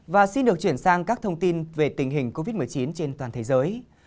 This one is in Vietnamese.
và xin được chuyển sang các thông tin về tình hình covid một mươi chín trên toàn thế giới